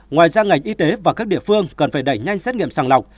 ngoài ra ngành y tế và các địa phương cần phải đẩy nhanh xét nghiệm sàng lọc